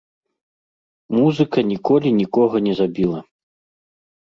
Музыка ніколі нікога не забіла.